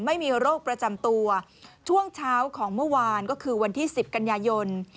ไม่มีโรคประจำตัวช่วงเช้าของเมื่อวานก็คือวันที่สิบกันยายน